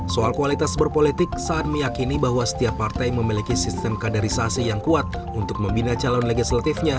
soal kualitas berpolitik saan meyakini bahwa setiap partai memiliki sistem kadarisasi yang kuat untuk membina calon legislatifnya